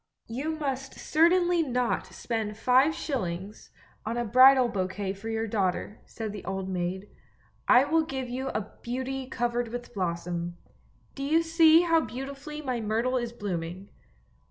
" You must certainly not spend five shillings on a bridal 9 2 ANDERSEN'S FAIRY TALES bouquet for your daughter," said the old maid. " I will give you a beauty covered with blossom. Do you see how beauti fully my myrtle is blooming.